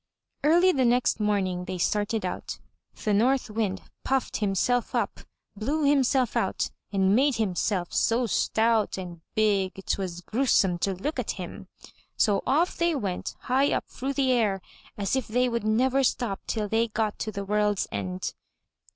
Early the next morning they started out. The North Wind puffed himself up, blew himself out, and made himself so stout and big, 'twas gruesome to look at him. So off they went high up through the air, as if they would never stop till they got to the world's end.